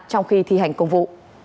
trong khi thi hành công vụ